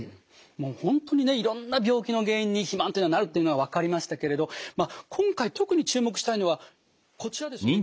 本当にねいろんな病気の原因に肥満というのがなるというのは分かりましたけれど今回特に注目したいのはこちらですよね